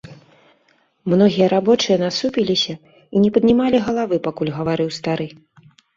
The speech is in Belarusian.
Многія рабочыя насупіліся і не паднімалі галавы, пакуль гаварыў стары.